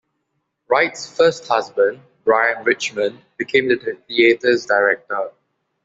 Wright's first husband, Brian Richmond, became the theatre's director.